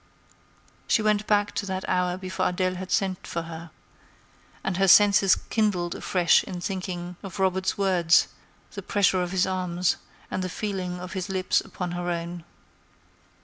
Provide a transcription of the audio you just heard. She went back to that hour before Adèle had sent for her; and her senses kindled afresh in thinking of Robert's words, the pressure of his arms, and the feeling of his lips upon her own.